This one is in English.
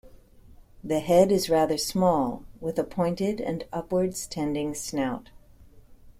The head is rather small, with a pointed and upwards-tending snout.